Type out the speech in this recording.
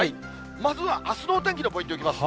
まずはあすの天気のポイントいきます。